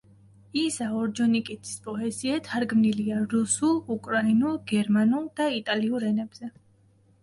იზა ორჯონიკიძის პოეზია თარგმნილია რუსულ, უკრაინულ, გერმანულ და იტალიურ ენებზე.